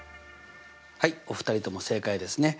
はいお二人とも正解ですね。